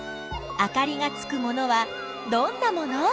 あかりがつくものはどんなもの？